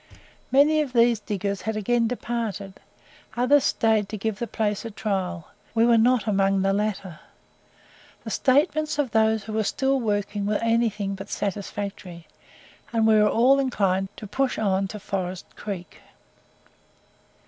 Many of these diggers had again departed, others stayed to give the place a trial; we were not among the latter. The statements of those who were still working were anything but satisfactory, and we were all inclined to push on to Forest Creek.